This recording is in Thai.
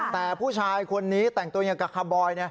แต่ผู้ชายคนนี้แต่งตัวอย่างกับคาร์บอย